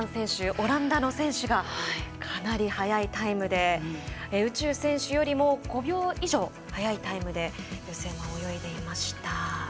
オランダの選手がかなり速いタイムで宇宙選手よりも５秒以上速いタイムで予選は泳いでいました。